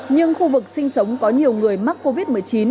nhưng khu vực sinh sống có nhiều người mắc covid một mươi chín